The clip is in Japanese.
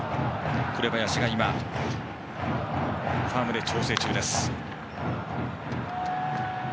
紅林がファームで調整中です。